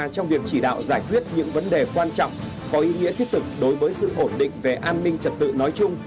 trong việc chỉ đạo giải quyết những vấn đề quan trọng có ý nghĩa thiết thực đối với sự ổn định về an ninh trật tự nói chung